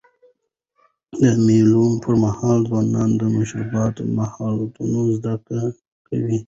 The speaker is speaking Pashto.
د مېلو پر مهال ځوانان د مشرتابه مهارتونه زده کوي.